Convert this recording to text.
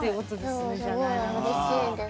もうすごいうれしいです。